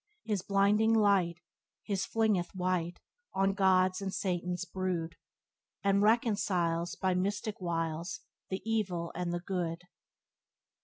His blinding light He flingeth white On God's and Satan's brood, And reconciles By mystic wiles The evil and the good."